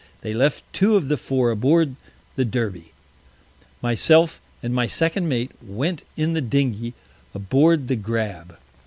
They left Two of the Four aboard the Derby. Myself and my Second Mate went in the Dingey aboard the Grabb.